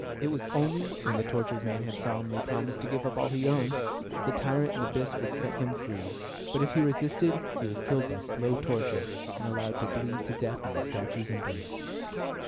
It was only, when the tortured man had solemnly promised to give up all he owned, that the tyrant Nabis would set him free; but if he resisted, he was killed by slow torture, and allowed to bleed to death in the statue's embrace.